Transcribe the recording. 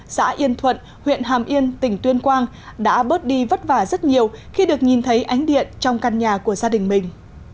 xã yên thuận huyện hàm yên tỉnh tuyên quang đã bớt đi vất vả rất nhiều khi được nhìn thấy ánh điện trong căn nhà của gia đình mình